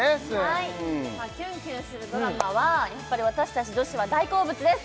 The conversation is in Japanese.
はいキュンキュンするドラマはやっぱり私たち女子は大好物です